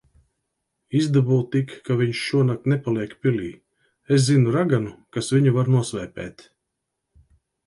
Izdabū tik, ka viņš šonakt nepaliek pilī. Es zinu raganu, kas viņu var nosvēpēt.